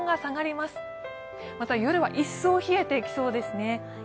また夜は一層冷えてきそうですね。